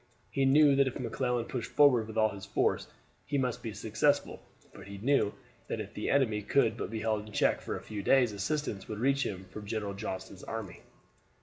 He knew that if McClellan pushed forward with all his force he must be successful; but he knew also that if the enemy could but be held in check for a few days assistance would reach him from General Johnston's army.